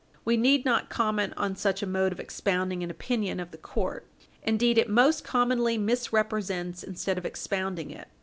We need not comment on such a mode of expounding an opinion of the court. Indeed, it most commonly misrepresents instead of expounding it.